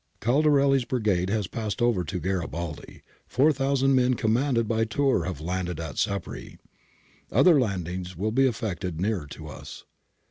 Caldarelli's brigade has passed over to Garibaldi : 4000 men commanded by Tlirr have landed at Sapri. Other landings will be effected nearer to us.'